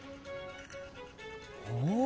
お？